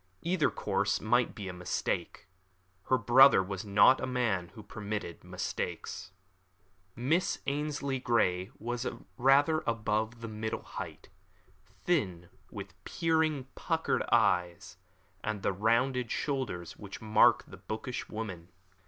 Either course might be a mistake. Her brother was not a man who permitted mistakes. Miss Ainslie Grey was rather above the middle height, thin, with peering, puckered eyes, and the rounded shoulders which mark the bookish woman.